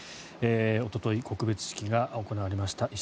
おととい告別式が行われました。